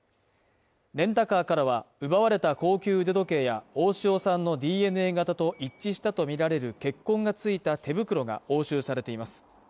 レンタカーからは奪われた高級腕時計や大塩さんのＤＮＡ型と一致したとみられる血痕が付いた手袋が押収されています。